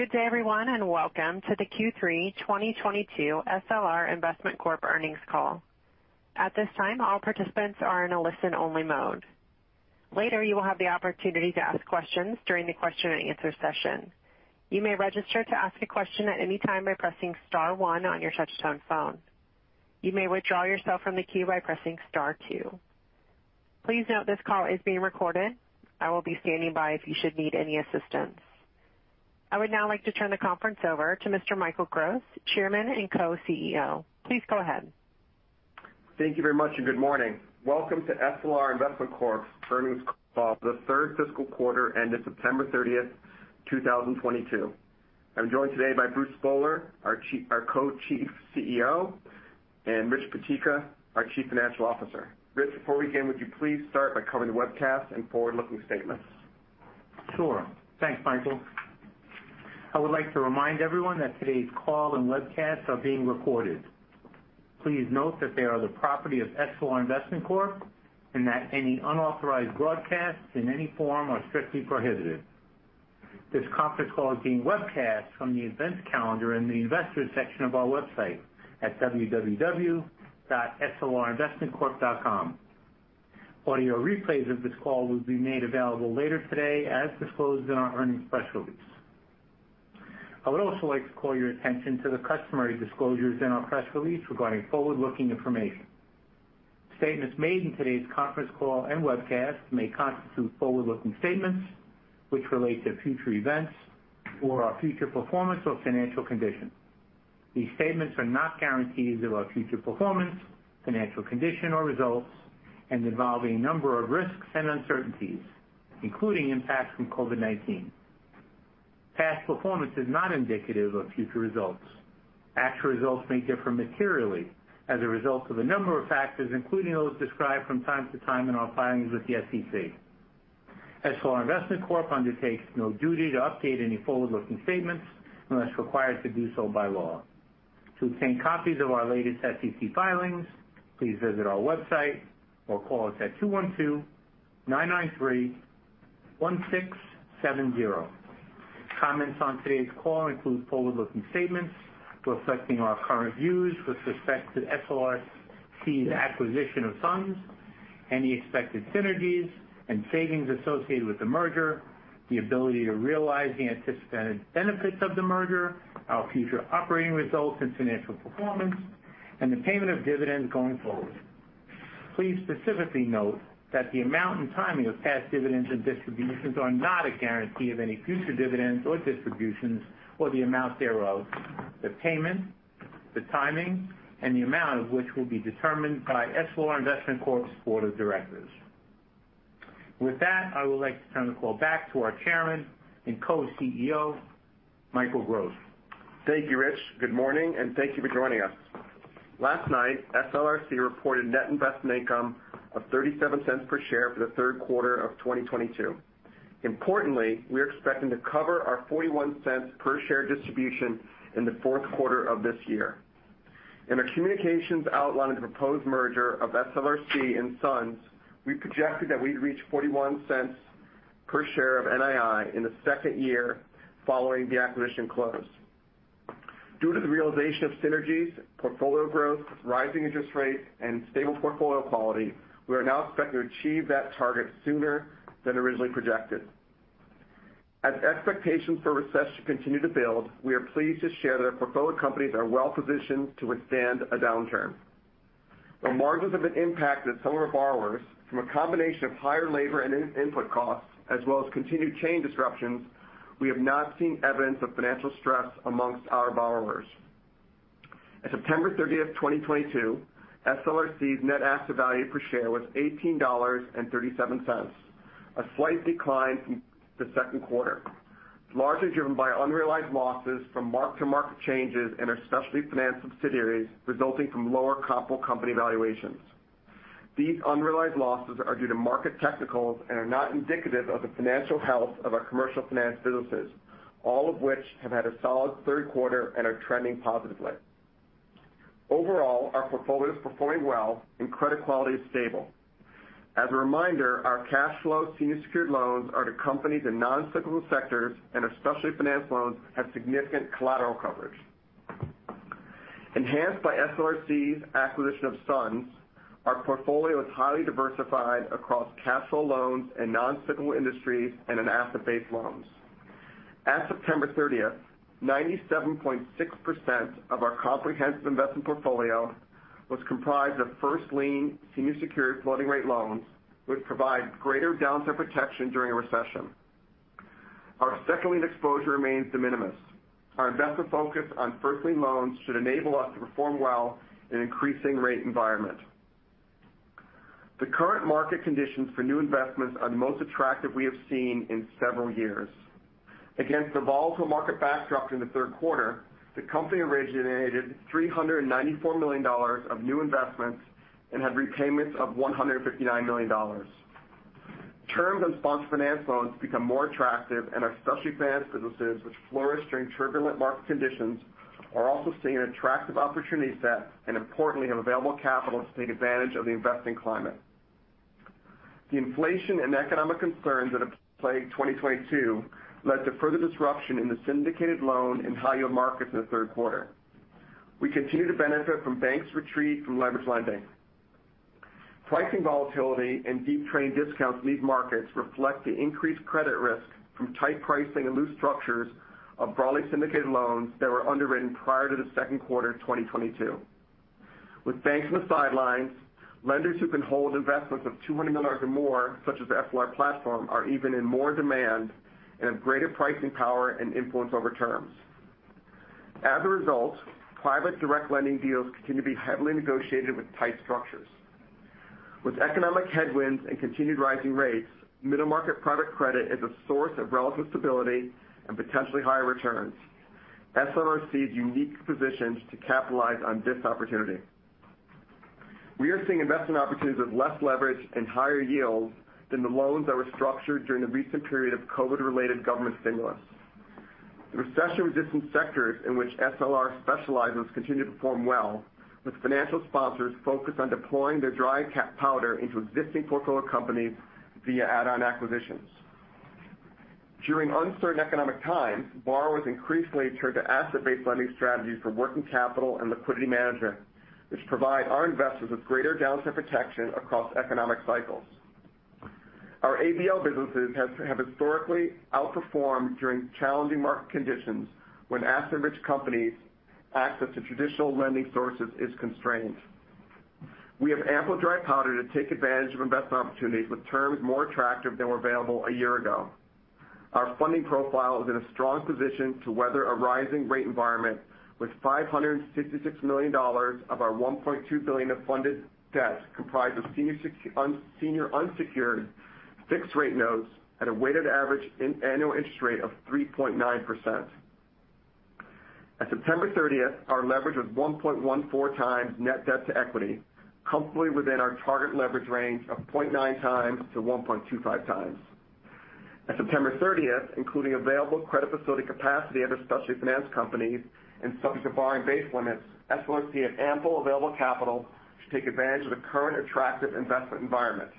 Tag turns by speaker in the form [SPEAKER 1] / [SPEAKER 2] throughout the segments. [SPEAKER 1] Good day, everyone, and welcome to the Q3 2022 SLR Investment Corp. earnings call. At this time, all participants are in a listen-only mode. Later, you will have the opportunity to ask questions during the question-and-answer session. You may register to ask a question at any time by pressing star one on your touch-tone phone. You may withdraw yourself from the queue by pressing star two. Please note this call is being recorded. I will be standing by if you should need any assistance. I would now like to turn the conference over to Mr. Michael Gross, Chairman and Co-CEO. Please go ahead.
[SPEAKER 2] Thank you very much, and good morning. Welcome to SLR Investment Corp's earnings call for the third fiscal quarter ended September 30, 2022. I'm joined today by Bruce Spohler, our Co-Chief CEO, and Richard Peteka, our Chief Financial Officer. Rich, before we begin, would you please start by covering the webcast and forward-looking statements?
[SPEAKER 3] Sure. Thanks, Michael. I would like to remind everyone that today's call and webcast are being recorded. Please note that they are the property of SLR Investment Corp. and that any unauthorized broadcasts in any form are strictly prohibited. This conference call is being webcast from the events calendar in the investors section of our website at www.slrinvestmentcorp.com. Audio replays of this call will be made available later today as disclosed in our earnings press release. I would also like to call your attention to the customary disclosures in our press release regarding forward-looking information. Statements made in today's conference call and webcast may constitute forward-looking statements which relate to future events or our future performance or financial conditions. These statements are not guarantees of our future performance, financial condition, or results and involve a number of risks and uncertainties, including impacts from COVID-19. Past performance is not indicative of future results. Actual results may differ materially as a result of a number of factors, including those described from time to time in our filings with the SEC. SLR Investment Corp. undertakes no duty to update any forward-looking statements unless required to do so by law. To obtain copies of our latest SEC filings, please visit our website or call us at 212-993-1670. Comments on today's call include forward-looking statements reflecting our current views with respect to SLRC's acquisition of SUNS, any expected synergies and savings associated with the merger, the ability to realize the anticipated benefits of the merger, our future operating results and financial performance, and the payment of dividends going forward. Please specifically note that the amount and timing of past dividends and distributions are not a guarantee of any future dividends or distributions or the amount thereof, the payment, the timing, and the amount of which will be determined by SLR Investment Corp.'s board of directors. With that, I would like to turn the call back to our Chairman and Co-CEO, Michael Gross.
[SPEAKER 2] Thank you, Rich. Good morning, and thank you for joining us. Last night, SLRC reported net investment income of $0.37 per share for the third quarter of 2022. Importantly, we're expecting to cover our $0.41 per share distribution in the fourth quarter of this year. In our communications outlining the proposed merger of SLRC and SUNS, we projected that we'd reach $0.41 per share of NII in the second year following the acquisition close. Due to the realization of synergies, portfolio growth, rising interest rates, and stable portfolio quality, we are now expected to achieve that target sooner than originally projected. As expectations for a recession continue to build, we are pleased to share that our portfolio companies are well positioned to withstand a downturn. The margins have been impacted some of our borrowers from a combination of higher labor and input costs as well as continued supply chain disruptions. We have not seen evidence of financial stress among our borrowers. As of September 30, 2022, SLRC's net asset value per share was $18.37, a slight decline from the second quarter. It's largely driven by unrealized losses from mark-to-market changes in our specialty finance subsidiaries resulting from lower comparable company valuations. These unrealized losses are due to market technicals and are not indicative of the financial health of our commercial finance businesses, all of which have had a solid third quarter and are trending positively. Overall, our portfolio is performing well and credit quality is stable. As a reminder, our cash flow senior secured loans are to companies in non-cyclical sectors, and our specialty finance loans have significant collateral coverage. Enhanced by SLRC's acquisition of SUNS, our portfolio is highly diversified across cash flow loans and non-cyclical industries and in asset-based loans. At September 30, 97.6% of our comprehensive investment portfolio was comprised of first-lien senior secured floating rate loans, which provide greater downside protection during a recession. Our second-lien exposure remains de minimis. Our investment focus on first-lien loans should enable us to perform well in an increasing rate environment. The current market conditions for new investments are the most attractive we have seen in several years. Against the volatile market backdrop in the third quarter, the company originated $394 million of new investments and had repayments of $159 million. Terms of sponsor finance loans become more attractive, and our specialty finance businesses, which flourish during turbulent market conditions, are also seeing an attractive opportunity set and importantly have available capital to take advantage of the investing climate. The inflation and economic concerns that have plagued 2022 led to further disruption in the syndicated loan and high-yield markets in the third quarter. We continue to benefit from banks' retreat from leverage lending. Pricing volatility and deep trade discounts lead markets reflect the increased credit risk from tight pricing and loose structures of broadly syndicated loans that were underwritten prior to the second quarter of 2022. With banks on the sidelines, lenders who can hold investments of $200 million or more, such as the SLR platform, are even in more demand and have greater pricing power and influence over terms. As a result, private direct lending deals continue to be heavily negotiated with tight structures. With economic headwinds and continued rising rates, middle market private credit is a source of relative stability and potentially higher returns. SLRC is uniquely positioned to capitalize on this opportunity. We are seeing investment opportunities with less leverage and higher yields than the loans that were structured during the recent period of COVID-related government stimulus. The recession-resistant sectors in which SLR specializes continue to perform well, with financial sponsors focused on deploying their dry powder into existing portfolio companies via add-on acquisitions. During uncertain economic times, borrowers increasingly turn to asset-based lending strategies for working capital and liquidity management, which provide our investors with greater downside protection across economic cycles. Our ABL businesses have historically outperformed during challenging market conditions when asset-rich companies' access to traditional lending sources is constrained. We have ample dry powder to take advantage of investment opportunities with terms more attractive than were available a year ago. Our funding profile is in a strong position to weather a rising rate environment, with $566 million of our $1.2 billion of funded debt comprised of senior unsecured fixed rate notes at a weighted average annual interest rate of 3.9%. At September 30th, our leverage was 1.14 times net debt to equity, comfortably within our target leverage range of 0.9 times to 1.25 times. At September 30th, including available credit facility capacity of our specialty finance companies and subject to borrowing base limits, SLRC had ample available capital to take advantage of the current attractive investment environment.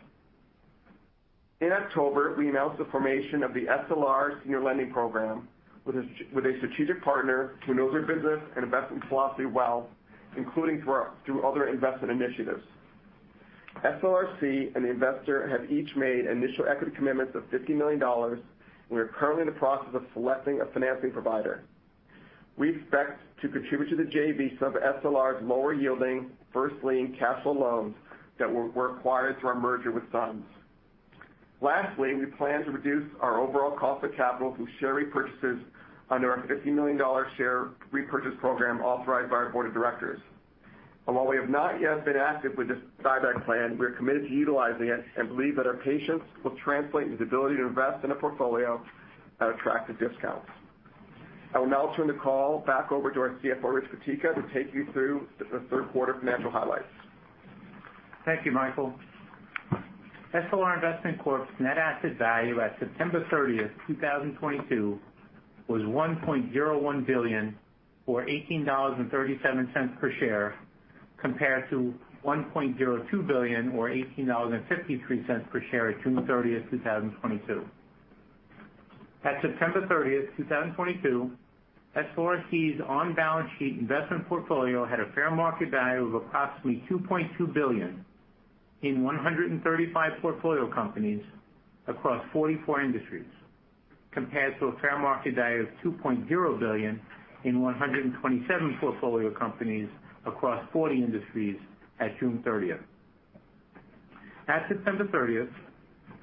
[SPEAKER 2] In October, we announced the formation of the SLR Senior Lending Program with a strategic partner who knows our business and investment philosophy well, including through other investment initiatives. SLRC and the investor have each made initial equity commitments of $50 million, and we are currently in the process of selecting a financing provider. We expect to contribute to the JV some of SLR's lower-yielding first lien senior loans that were acquired through our merger with SUNS. Lastly, we plan to reduce our overall cost of capital through share repurchases under our $50 million share repurchase program authorized by our board of directors. While we have not yet been active with this buyback plan, we are committed to utilizing it and believe that our patience will translate into the ability to invest in a portfolio at attractive discounts. I will now turn the call back over to our CFO, Richard Peteka, to take you through the third quarter financial highlights.
[SPEAKER 3] Thank you, Michael. SLR Investment Corp.'s net asset value at September 30, 2022 was $1.01 billion or $18.37 per share, compared to $1.02 billion or $18.53 per share at June 30, 2022. At September 30, 2022, SLRC's on-balance sheet investment portfolio had a fair market value of approximately $2.2 billion in 135 portfolio companies across 44 industries, compared to a fair market value of $2.0 billion in 127 portfolio companies across 40 industries at June 30. At September 30,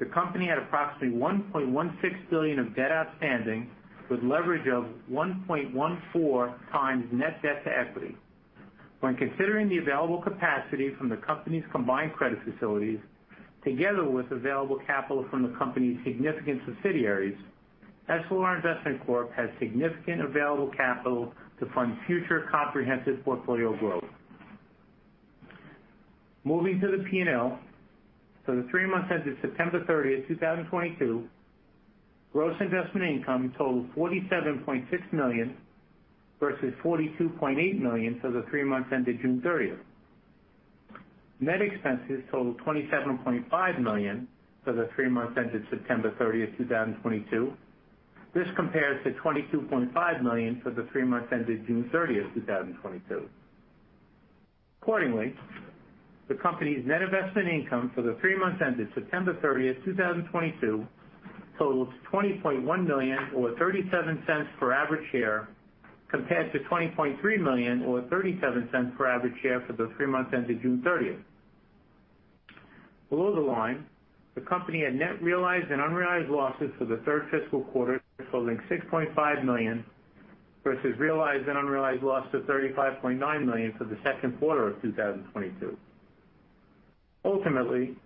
[SPEAKER 3] the company had approximately $1.16 billion of debt outstanding with leverage of 1.14 times net debt to equity. When considering the available capacity from the company's combined credit facilities together with available capital from the company's significant subsidiaries, SLR Investment Corp has significant available capital to fund future comprehensive portfolio growth. Moving to the P&L. For the three months ended September thirtieth, two thousand twenty-two, gross investment income totaled $47.6 million versus $42.8 million for the three months ended June thirtieth. Net expenses totaled $27.5 million for the three months ended September thirtieth, two thousand twenty-two. This compares to $22.5 million for the three months ended June thirtieth, two thousand twenty-two. Accordingly, the company's net investment income for the three months ended September thirtieth, two thousand twenty-two totals $20.1 million or $0.37 per average share, compared to $20.3 million or $0.37 per average share for the three months ended June thirtieth. Below the line, the company had net realized and unrealized losses for the third fiscal quarter totaling $6.5 million versus realized and unrealized losses of $35.9 million for the second quarter of 2022. Ultimately,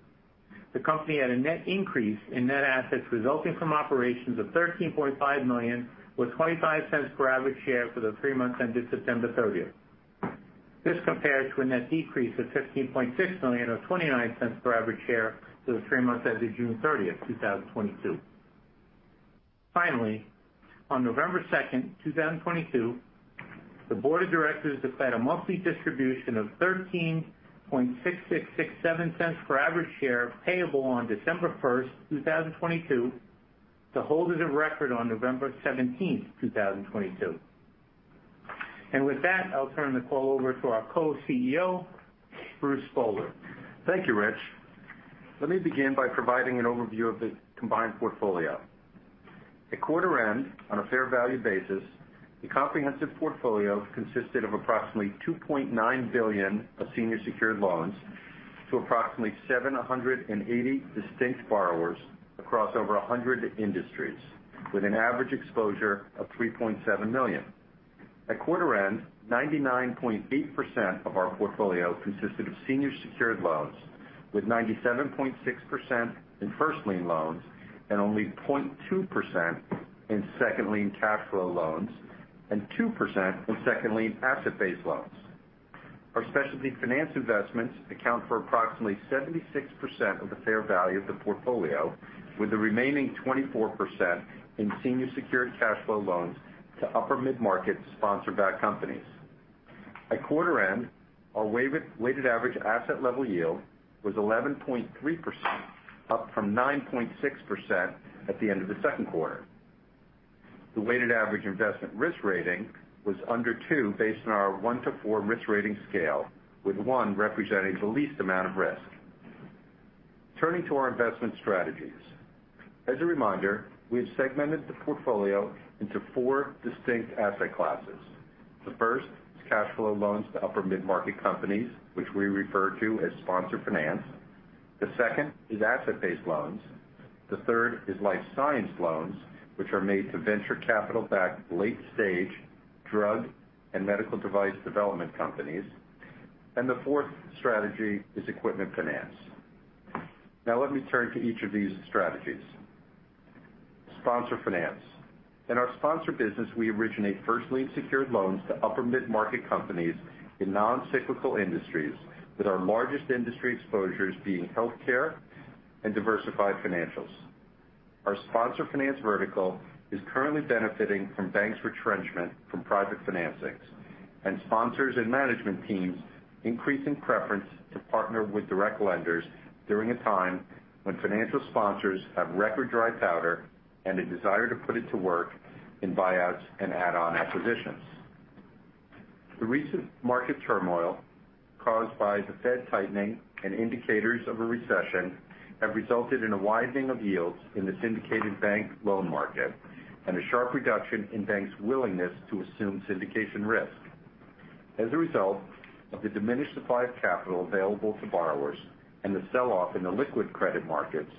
[SPEAKER 3] the company had a net increase in net assets resulting from operations of $13.5 million or $0.25 per average share for the three months ended September 30. This compares to a net decrease of $15.6 million or $0.29 per average share for the three months ended June 30, 2022. Finally, on November 2, 2022, the board of directors declared a monthly distribution of $0.136667 per average share payable on December 1, 2022 to holders of record on November 17, 2022. With that, I'll turn the call over to our Co-CEO, Bruce Spohler.
[SPEAKER 4] Thank you, Rich. Let me begin by providing an overview of the combined portfolio. At quarter end, on a fair value basis, the comprehensive portfolio consisted of approximately $2.9 billion of senior secured loans to approximately 780 distinct borrowers across over 100 industries with an average exposure of $3.7 million. At quarter end, 99.8% of our portfolio consisted of senior secured loans, with 97.6% in first lien loans and only 0.2% in second lien cash flow loans and 2% in second lien asset-based loans. Our specialty finance investments account for approximately 76% of the fair value of the portfolio, with the remaining 24% in senior secured cash flow loans to upper mid-market sponsor-backed companies. At quarter end, our weighted average asset level yield was 11.3%, up from 9.6% at the end of the second quarter. The weighted average investment risk rating was under 2, based on our 1 to 4 risk rating scale, with 1 representing the least amount of risk. Turning to our investment strategies. As a reminder, we have segmented the portfolio into four distinct asset classes. The first is cash flow loans to upper mid-market companies, which we refer to as sponsor finance. The second is asset-based loans. The third is life science loans, which are made to venture capital-backed late-stage drug and medical device development companies. The fourth strategy is equipment finance. Now let me turn to each of these strategies. Sponsor finance. In our sponsor business, we originate first lien secured loans to upper mid-market companies in non-cyclical industries, with our largest industry exposures being healthcare and diversified financials. Our sponsor finance vertical is currently benefiting from banks' retrenchment from private financings and sponsors and management teams increasing preference to partner with direct lenders during a time when financial sponsors have record dry powder and a desire to put it to work in buyouts and add-on acquisitions. The recent market turmoil caused by the Fed tightening and indicators of a recession have resulted in a widening of yields in the syndicated bank loan market and a sharp reduction in banks' willingness to assume syndication risk. As a result of the diminished supply of capital available to borrowers and the sell-off in the liquid credit markets,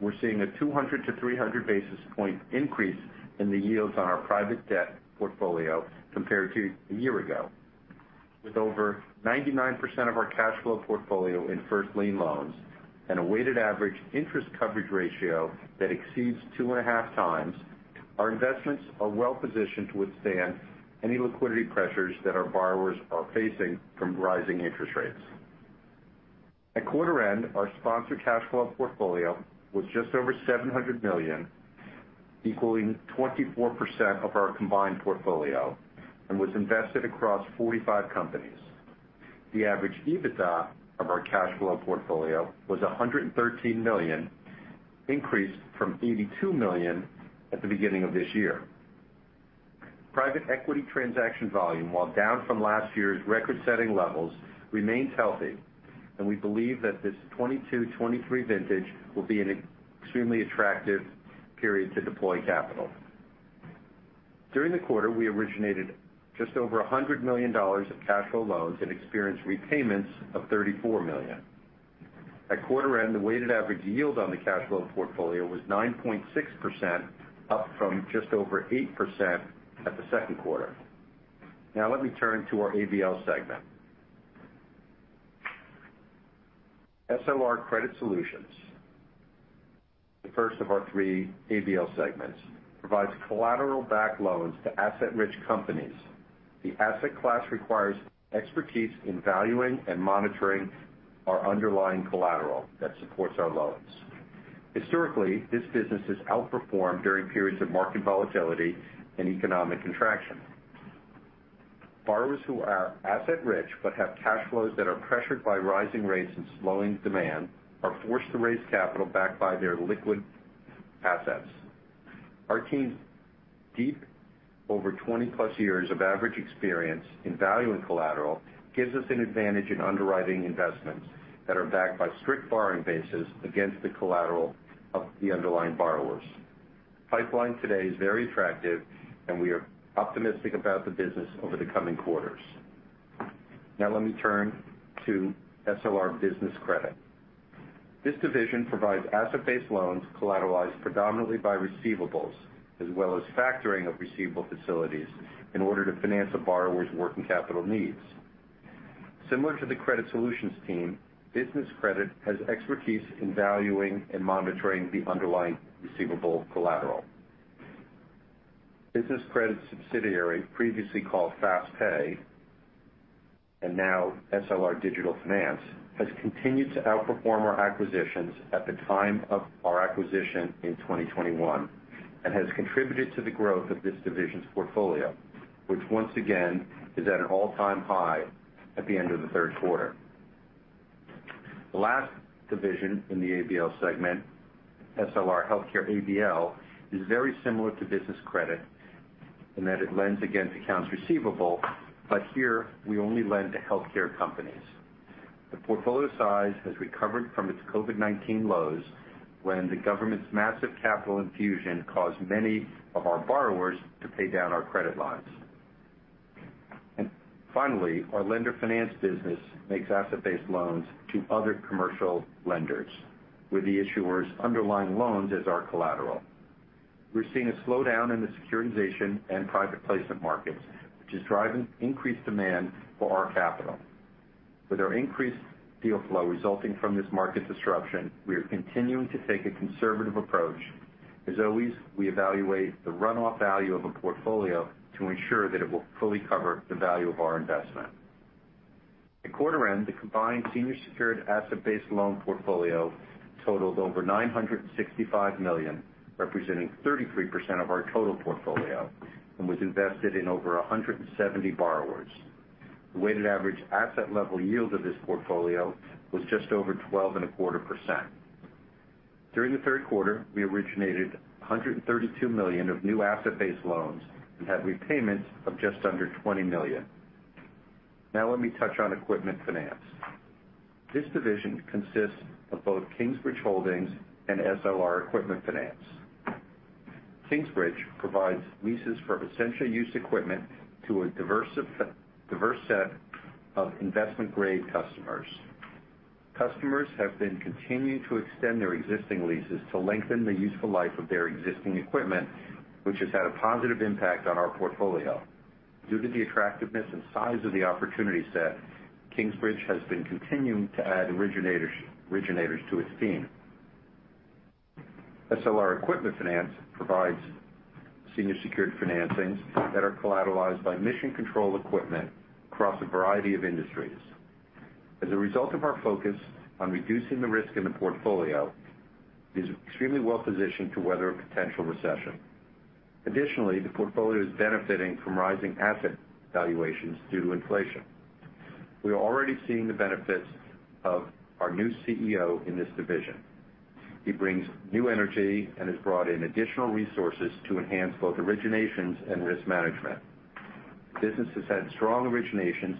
[SPEAKER 4] we're seeing a 200-300 basis point increase in the yields on our private debt portfolio compared to a year ago. With over 99% of our cash flow portfolio in first lien loans and a weighted average interest coverage ratio that exceeds 2.5 times, our investments are well positioned to withstand any liquidity pressures that our borrowers are facing from rising interest rates. At quarter end, our sponsor cash flow portfolio was just over $700 million, equaling 24% of our combined portfolio and was invested across 45 companies. The average EBITDA of our cash flow portfolio was $113 million, increased from $82 million at the beginning of this year. Private equity transaction volume, while down from last year's record-setting levels, remains healthy, and we believe that this 2022, 2023 vintage will be an extremely attractive period to deploy capital. During the quarter, we originated just over $100 million of cash flow loans and experienced repayments of $34 million. At quarter end, the weighted average yield on the cash flow portfolio was 9.6%, up from just over 8% at the second quarter. Now let me turn to our ABL segment. SLR Credit Solutions, the first of our three ABL segments, provides collateral-backed loans to asset-rich companies. The asset class requires expertise in valuing and monitoring our underlying collateral that supports our loans. Historically, this business has outperformed during periods of market volatility and economic contraction. Borrowers who are asset rich but have cash flows that are pressured by rising rates and slowing demand are forced to raise capital backed by their liquid assets. Our team's deep over 20+ years of average experience in valuing collateral gives us an advantage in underwriting investments that are backed by strict borrowing bases against the collateral of the underlying borrowers. Pipeline today is very attractive and we are optimistic about the business over the coming quarters. Now let me turn to SLR Business Credit. This division provides asset-based loans collateralized predominantly by receivables, as well as factoring of receivable facilities in order to finance a borrower's working capital needs. Similar to the credit solutions team, Business Credit has expertise in valuing and monitoring the underlying receivable collateral. Business Credit subsidiary, previously called FastPay. Now SLR Digital Finance has continued to outperform our acquisitions at the time of our acquisition in 2021, and has contributed to the growth of this division's portfolio, which once again is at an all-time high at the end of the third quarter. The last division in the ABL segment, SLR Healthcare ABL, is very similar to Business Credit in that it lends against accounts receivable, but here we only lend to healthcare companies. The portfolio size has recovered from its COVID-19 lows when the government's massive capital infusion caused many of our borrowers to pay down our credit lines. Finally, our lender finance business makes asset-based loans to other commercial lenders with the issuer's underlying loans as our collateral. We're seeing a slowdown in the securitization and private placement markets, which is driving increased demand for our capital. With our increased deal flow resulting from this market disruption, we are continuing to take a conservative approach. As always, we evaluate the runoff value of a portfolio to ensure that it will fully cover the value of our investment. At quarter end, the combined senior secured asset-based loan portfolio totaled over $965 million, representing 33% of our total portfolio, and was invested in over 170 borrowers. The weighted average asset level yield of this portfolio was just over 12.25%. During the third quarter, we originated $132 million of new asset-based loans and had repayments of just under $20 million. Now let me touch on Equipment Finance. This division consists of both Kingsbridge Holdings and SLR Equipment Finance. Kingsbridge provides leases for essential-use equipment to a diverse set of investment-grade customers. Customers have been continuing to extend their existing leases to lengthen the useful life of their existing equipment, which has had a positive impact on our portfolio. Due to the attractiveness and size of the opportunity set, Kingsbridge has been continuing to add originators to its team. SLR Equipment Finance provides senior secured financings that are collateralized by mission critical equipment across a variety of industries. As a result of our focus on reducing the risk in the portfolio, it is extremely well positioned to weather a potential recession. Additionally, the portfolio is benefiting from rising asset valuations due to inflation. We are already seeing the benefits of our new CEO in this division. He brings new energy and has brought in additional resources to enhance both originations and risk management. The business has had strong originations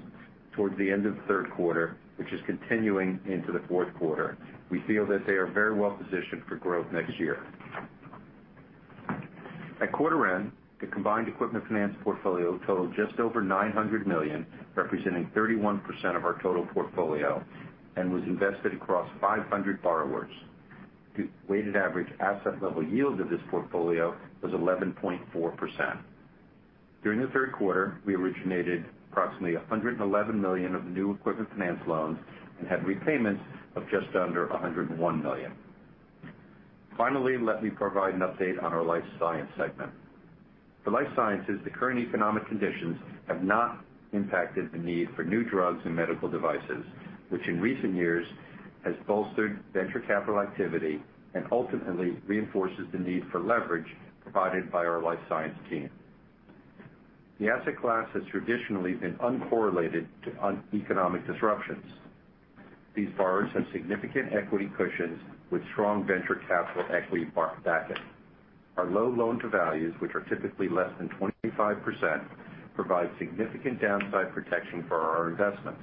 [SPEAKER 4] towards the end of the third quarter, which is continuing into the fourth quarter. We feel that they are very well positioned for growth next year. At quarter end, the combined equipment finance portfolio totaled just over $900 million, representing 31% of our total portfolio and was invested across 500 borrowers. The weighted average asset level yield of this portfolio was 11.4%. During the third quarter, we originated approximately $111 million of new equipment finance loans and had repayments of just under $101 million. Finally, let me provide an update on our life science segment. For life sciences, the current economic conditions have not impacted the need for new drugs and medical devices, which in recent years has bolstered venture capital activity and ultimately reinforces the need for leverage provided by our life science team. The asset class has traditionally been uncorrelated to macroeconomic disruptions. These borrowers have significant equity cushions with strong venture capital equity backing. Our low loan to values, which are typically less than 25%, provide significant downside protection for our investments.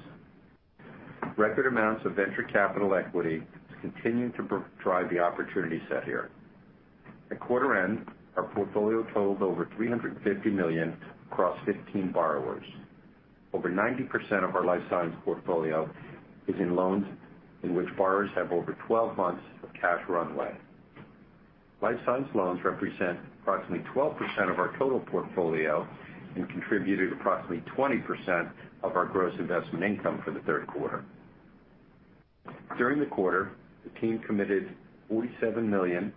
[SPEAKER 4] Record amounts of venture capital equity continue to drive the opportunity set here. At quarter end, our portfolio totaled over $350 million across 15 borrowers. Over 90% of our life science portfolio is in loans in which borrowers have over 12 months of cash runway. Life science loans represent approximately 12% of our total portfolio and contributed approximately 20% of our gross investment income for the third quarter. During the quarter, the team committed $47 million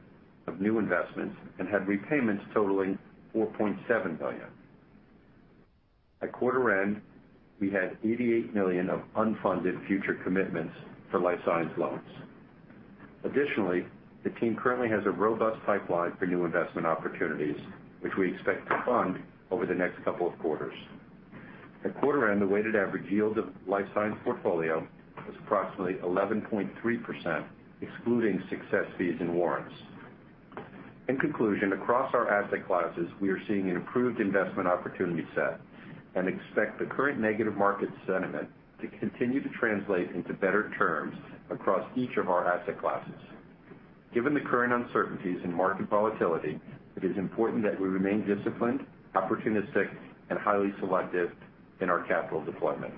[SPEAKER 4] of new investments and had repayments totaling $4.7 million. At quarter end, we had $88 million of unfunded future commitments for life science loans. Additionally, the team currently has a robust pipeline for new investment opportunities, which we expect to fund over the next couple of quarters. At quarter end, the weighted average yield of life science portfolio was approximately 11.3%, excluding success fees and warrants. In conclusion, across our asset classes, we are seeing an improved investment opportunity set and expect the current negative market sentiment to continue to translate into better terms across each of our asset classes. Given the current uncertainties in market volatility, it is important that we remain disciplined, opportunistic, and highly selective in our capital deployment.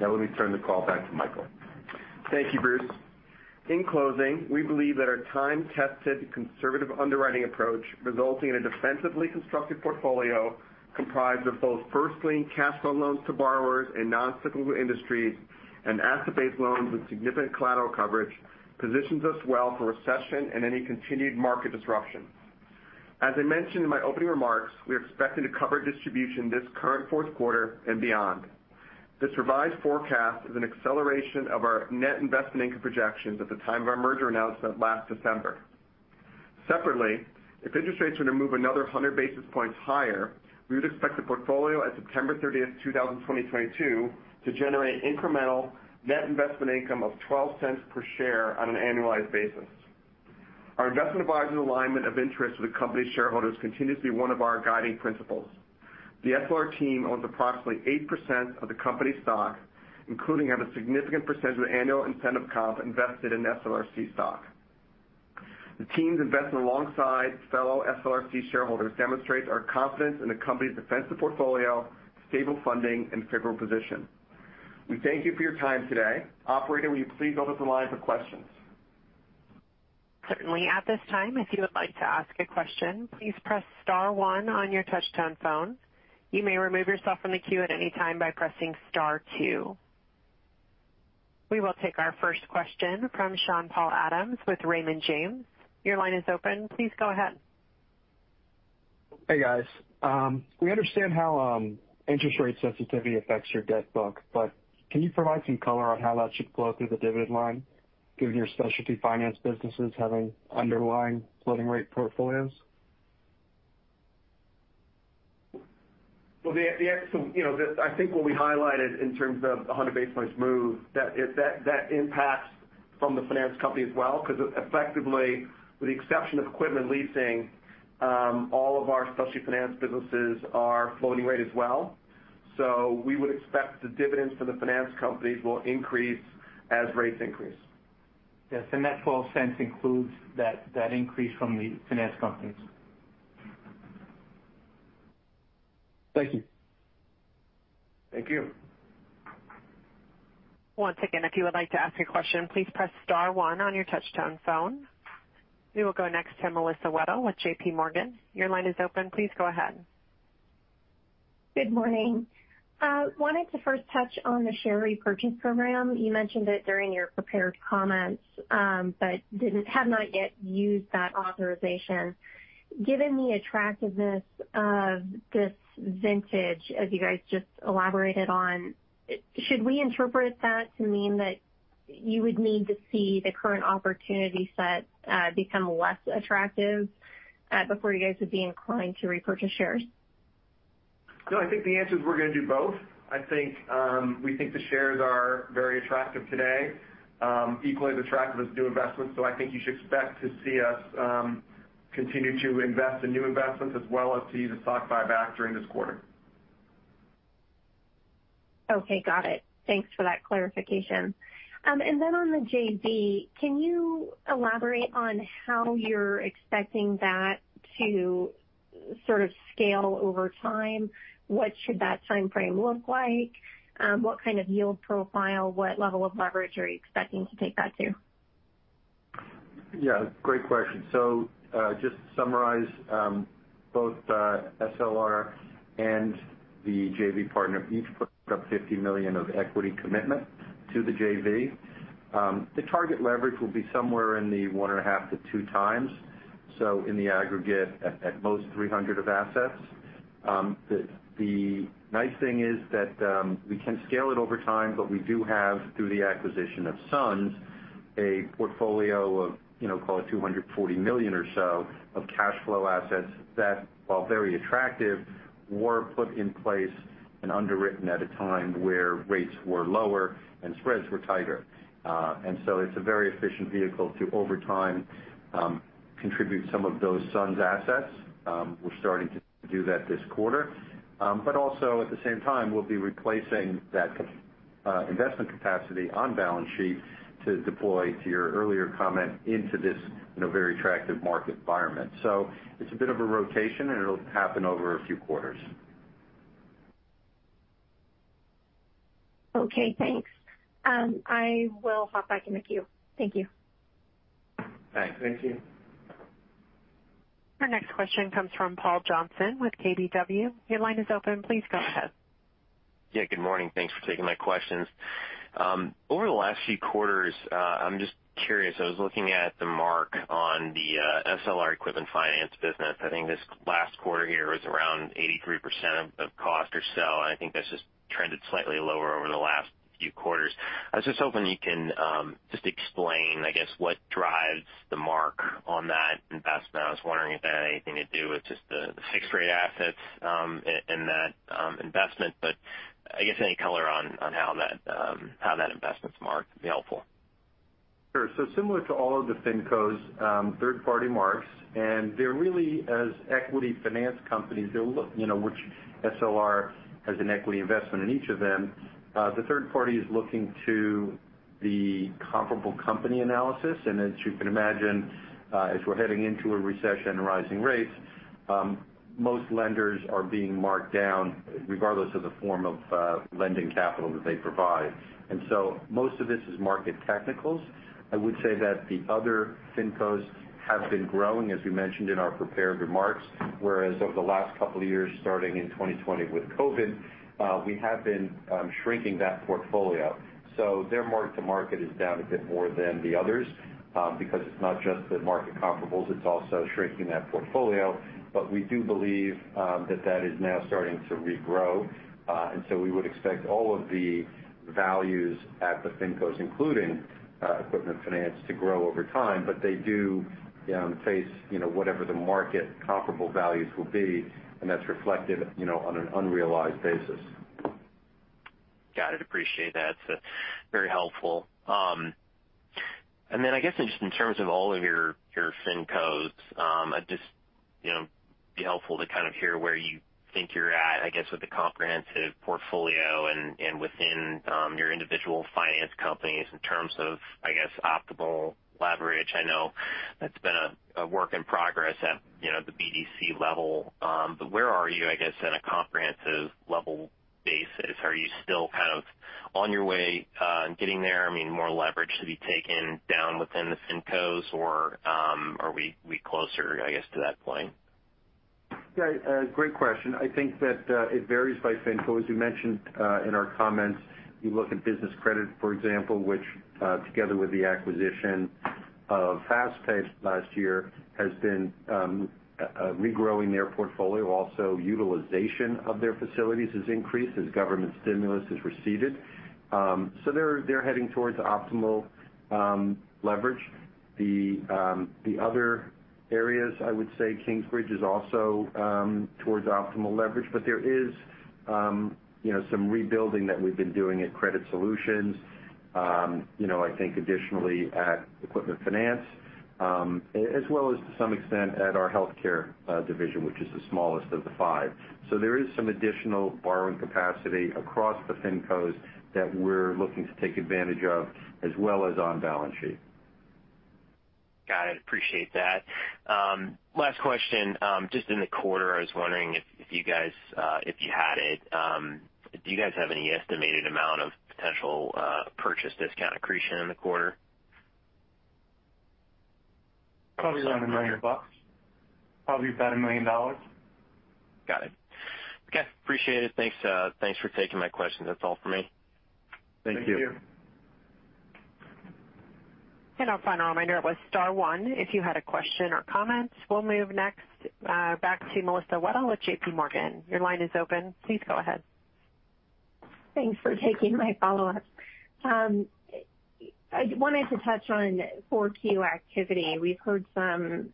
[SPEAKER 4] Now, let me turn the call back to Michael.
[SPEAKER 2] Thank you, Bruce. In closing, we believe that our time-tested conservative underwriting approach, resulting in a defensively constructed portfolio comprised of both first-lien cash flow loans to borrowers in non-cyclical industries and asset-based loans with significant collateral coverage, positions us well for recession and any continued market disruption. As I mentioned in my opening remarks, we are expecting to cover distribution this current fourth quarter and beyond. This revised forecast is an acceleration of our net investment income projections at the time of our merger announcement last December. Separately, if interest rates were to move another 100 basis points higher, we would expect the portfolio at September 30, 2022, to generate incremental net investment income of $0.12 per share on an annualized basis. Our investment advisor's alignment of interest with the company's shareholders continues to be one of our guiding principles. The SLR team owns approximately 8% of the company's stock, including having a significant percentage of annual incentive comp invested in SLRC stock. The team's investment alongside fellow SLRC shareholders demonstrates our confidence in the company's defensive portfolio, stable funding, and favorable position. We thank you for your time today. Operator, will you please open the line for questions?
[SPEAKER 1] Certainly. At this time, if you would like to ask a question, please press star one on your touchtone phone. You may remove yourself from the queue at any time by pressing star two. We will take our first question from Sean-Paul Adams with Raymond James. Your line is open. Please go ahead.
[SPEAKER 5] Hey, guys. We understand how interest rate sensitivity affects your debt book, but can you provide some color on how that should flow through the dividend line, given your specialty finance businesses having underlying floating rate portfolios?
[SPEAKER 2] You know, I think what we highlighted in terms of a 100 basis points move, that impacts the finance company as well, 'cause effectively, with the exception of equipment leasing, all of our specialty finance businesses are floating rate as well. So we would expect the dividends from the finance companies will increase as rates increase.
[SPEAKER 4] That $0.12 includes that increase from the finance companies.
[SPEAKER 5] Thank you.
[SPEAKER 2] Thank you.
[SPEAKER 1] Once again, if you would like to ask a question, please press star one on your touchtone phone. We will go next to Melissa Wedel with J.P. Morgan. Your line is open. Please go ahead.
[SPEAKER 6] Good morning. Wanted to first touch on the share repurchase program. You mentioned it during your prepared comments, but have not yet used that authorization. Given the attractiveness of this vintage, as you guys just elaborated on, should we interpret that to mean that you would need to see the current opportunity set become less attractive before you guys would be inclined to repurchase shares?
[SPEAKER 2] No, I think the answer is we're gonna do both. I think we think the shares are very attractive today, equally as attractive as new investments. I think you should expect to see us continue to invest in new investments as well as see the stock buyback during this quarter.
[SPEAKER 6] Okay. Got it. Thanks for that clarification. On the JV, can you elaborate on how you're expecting that to sort of scale over time? What should that timeframe look like? What kind of yield profile, what level of leverage are you expecting to take that to?
[SPEAKER 4] Yeah, great question. Just to summarize, both SLR and the JV partner each put up $50 million of equity commitment to the JV. The target leverage will be somewhere in the 1.5-2 times. In the aggregate at most $300 million of assets. The nice thing is that we can scale it over time, but we do have, through the acquisition of SLRC, a portfolio of, you know, call it $240 million or so of cash flow assets that, while very attractive, were put in place and underwritten at a time where rates were lower and spreads were tighter. It's a very efficient vehicle to, over time, contribute some of those SUNS assets. We're starting to do that this quarter. At the same time, we'll be replacing that investment capacity on balance sheet to deploy, to your earlier comment, into this, you know, very attractive market environment. It's a bit of a rotation, and it'll happen over a few quarters.
[SPEAKER 6] Okay, thanks. I will hop back in the queue. Thank you.
[SPEAKER 2] Thanks.
[SPEAKER 4] Thank you.
[SPEAKER 1] Our next question comes from Paul Johnson with KBW. Your line is open. Please go ahead.
[SPEAKER 7] Yeah, good morning. Thanks for taking my questions. Over the last few quarters, I'm just curious. I was looking at the mark on the SLR Equipment Finance business. I think this last quarter here was around 83% of cost or so, and I think that's just trended slightly lower over the last few quarters. I was just hoping you can just explain, I guess, what drives the mark on that investment. I was wondering if it had anything to do with just the fixed rate assets in that investment, but I guess any color on how that investment's marked would be helpful.
[SPEAKER 4] Sure. So similar to all of the FinCos, third-party marks, and they're really as equity finance companies, you know, which SLR has an equity investment in each of them. The third party is looking to the comparable company analysis. As you can imagine, as we're heading into a recession and rising rates, most lenders are being marked down regardless of the form of lending capital that they provide. Most of this is market technicals. I would say that the other FinCos have been growing, as we mentioned in our prepared remarks. Whereas over the last couple of years, starting in 2020 with COVID, we have been shrinking that portfolio. Their mark to market is down a bit more than the others, because it's not just the market comparables, it's also shrinking that portfolio. We do believe that is now starting to regrow. We would expect all of the values at the FinCos, including Equipment Finance, to grow over time, but they do, you know, face, you know, whatever the market comparable values will be, and that's reflected, you know, on an unrealized basis.
[SPEAKER 7] Got it. Appreciate that. Very helpful. I guess just in terms of all of your FinCos, I'd just, you know, be helpful to kind of hear where you think you're at, I guess, with the comprehensive portfolio and within your individual finance companies in terms of, I guess, optimal leverage. I know that's been a work in progress at, you know, the BDC level. Where are you, I guess, on a comprehensive level basis? Are you still kind of on your way getting there? I mean, more leverage to be taken down within the FinCos or are we closer, I guess, to that point?
[SPEAKER 4] Yeah, great question. I think that it varies by FinCo. As you mentioned in our comments, you look at Business Credit, for example, which together with the acquisition of FastPay last year, has been regrowing their portfolio. Also, utilization of their facilities has increased as government stimulus has receded. So they're heading towards optimal leverage. The other areas, I would say Kingsbridge is also towards optimal leverage. But there is you know, some rebuilding that we've been doing at Credit Solutions. You know, I think additionally at Equipment Finance, as well as to some extent at our healthcare division, which is the smallest of the five. So there is some additional borrowing capacity across the FinCos that we're looking to take advantage of as well as on balance sheet.
[SPEAKER 7] Got it. Appreciate that. Last question. Just in the quarter, I was wondering if you guys, if you had it, do you guys have any estimated amount of potential purchase discount accretion in the quarter?
[SPEAKER 3] Probably around $1 million. Probably about $1 million.
[SPEAKER 7] Got it. Okay, appreciate it. Thanks, thanks for taking my questions. That's all for me.
[SPEAKER 4] Thank you.
[SPEAKER 3] Thank you.
[SPEAKER 1] Our final reminder was star one, if you had a question or comments. We'll move next, back to Melissa Wedel with J.P. Morgan. Your line is open. Please go ahead.
[SPEAKER 6] Thanks for taking my follow-up. I wanted to touch on Q4 activity. We've heard some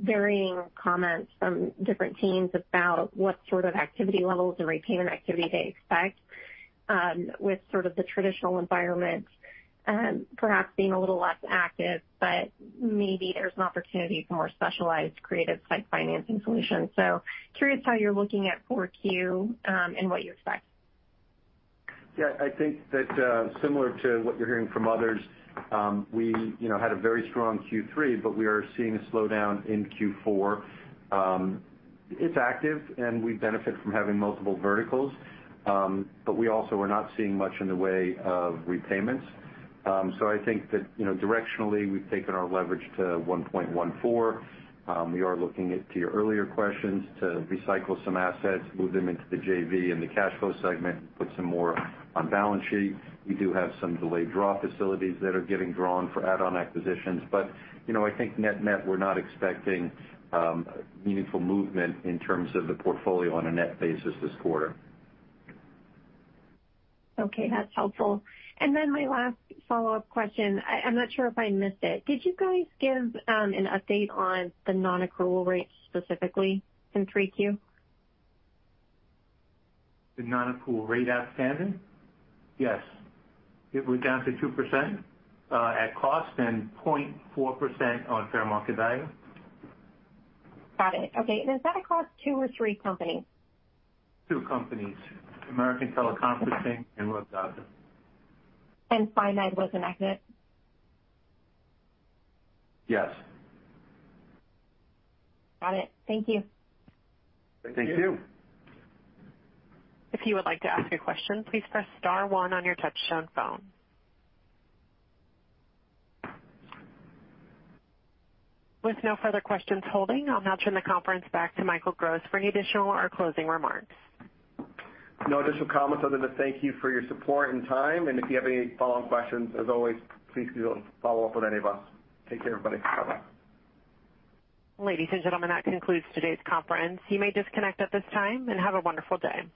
[SPEAKER 6] varying comments from different teams about what sort of activity levels and repayment activity they expect with sort of the traditional environment perhaps being a little less active, but maybe there's an opportunity for more specialized creative site financing solutions. Curious how you're looking at Q4, and what you expect.
[SPEAKER 4] Yeah, I think that, similar to what you're hearing from others, we, you know, had a very strong Q3, but we are seeing a slowdown in Q4. It's active and we benefit from having multiple verticals. But we also are not seeing much in the way of repayments. So I think that, you know, directionally, we've taken our leverage to 1.14. We are looking at, to your earlier questions, to recycle some assets, move them into the JV and the cash flow segment, put some more on balance sheet. We do have some delayed draw facilities that are getting drawn for add-on acquisitions. But, you know, I think net-net, we're not expecting meaningful movement in terms of the portfolio on a net basis this quarter.
[SPEAKER 6] Okay, that's helpful. My last follow-up question. I'm not sure if I missed it. Did you guys give an update on the non-accrual rates specifically in 3Q?
[SPEAKER 3] The non-accrual rate outstanding? Yes. It was down to 2%, at cost and 0.4% on fair market value.
[SPEAKER 6] Got it. Okay. Does that across two or three companies?
[SPEAKER 3] Two companies. American Teleconferencing and SUNS.
[SPEAKER 6] SUNS was an asset?
[SPEAKER 4] Yes.
[SPEAKER 6] Got it. Thank you.
[SPEAKER 4] Thank you.
[SPEAKER 3] Thank you.
[SPEAKER 1] If you would like to ask a question, please press star one on your touch-tone phone. With no further questions holding, I'll now turn the conference back to Michael Gross for any additional or closing remarks.
[SPEAKER 2] No additional comments other than to thank you for your support and time. If you have any follow-up questions, as always, please feel free to follow up with any of us. Take care, everybody. Bye-bye.
[SPEAKER 1] Ladies and gentlemen, that concludes today's conference. You may disconnect at this time, and have a wonderful day.